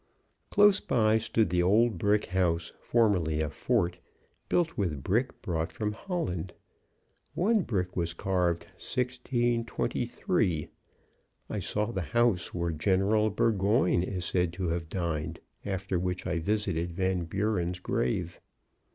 Close by stood the old brick house, formerly a fort, built with brick brought from Holland. One brick was carved "1623." I saw the house where General Burgoyne is said to have dined, after which I visited Van Buren's grave.